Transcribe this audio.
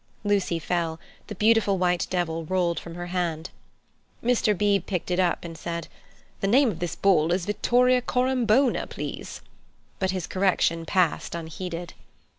Lucy fell, the Beautiful White Devil rolled from her hand. Mr. Beebe picked it up, and said: "The name of this ball is Vittoria Corombona, please." But his correction passed unheeded.